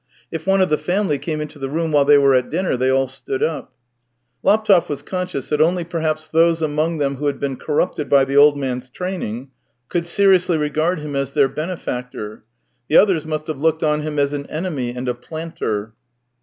If one of the family came into the room while they were at dinner, they all stood up. Laptev was conscious that only, perhaps, those among them who had been corrupted by the old man's training could seriously regard him as their benefactor; the others must have looked on him as an enemy and a " planter."